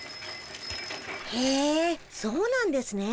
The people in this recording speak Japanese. へえそうなんですね。